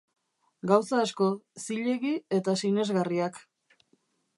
Gauza asko, zilegi, eta sinesgarriak.